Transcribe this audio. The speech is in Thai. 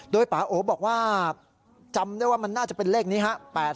โดยป่าโอบอกว่าจำได้ว่ามันน่าจะเป็นเลขนี้ฮะ